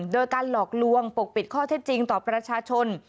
โดยการหลอกลวงปกปิดข้อเท็จจริงต่อประชาชน